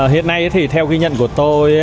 hiện nay thì theo ghi nhận của tôi